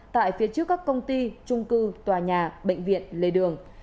tại phía trước các công ty trung cư tòa nhà bệnh viện lê đường